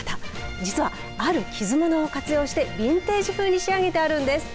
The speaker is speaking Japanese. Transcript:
実は、あるきず物を活用してビンテージ風に仕上げてあるんです。